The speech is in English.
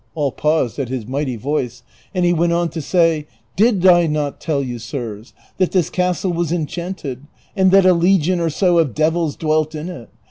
" All paused at his mighty voice, and he went on to say, " Did I not tell you, sirs, that this castle was enchanted, and that a legion or so of devils dwelt in it